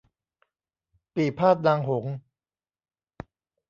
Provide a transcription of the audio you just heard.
ปี่พาทย์นางหงส์